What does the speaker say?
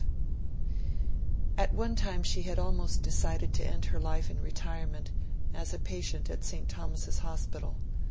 V AT one time she had almost decided to end her life in retirement as a patient at St. Thomas's Hospital.